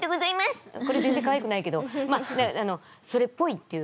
これ全然かわいくないけどそれっぽいっていう。